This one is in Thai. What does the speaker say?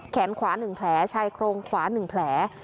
แขนขวาหนึ่งแผลชายโครงขวาหนึ่งแผล